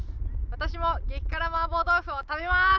私も激辛マーボー豆腐を食べます。